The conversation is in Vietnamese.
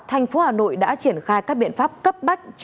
thành phố hà nội đã triển khai các biện pháp